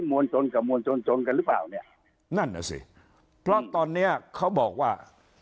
มวลชนกับมวลชนจนกันหรือเปล่าเนี่ยนั่นน่ะสิเพราะตอนเนี้ยเขาบอกว่า